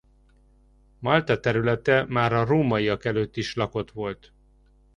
Malta területe már a rómaiak előtt is lakott volt.